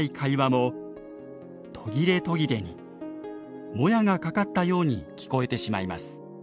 もやがかかったように聞こえてしまいます。